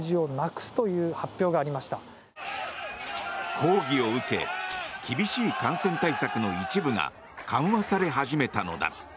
抗議を受け厳しい感染対策の一部が緩和され始めたのだ。